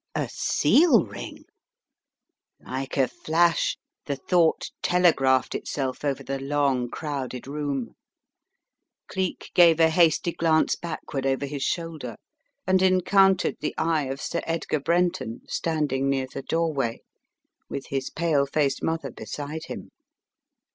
A seal ring? Like a flash the thought telegraphed itself over the long, crowded room. Cleek gave a hasty glance backward over his shoulder, and en countered the eye of Sir Edgar Brenton standing near the doorway, with his pale faced mother be side him.